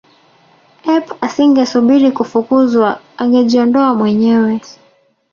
ep asingesubiri kufukuzwa angejiondoa mwenyewe